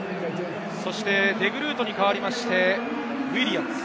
デグルートに代わってウィリアムズ。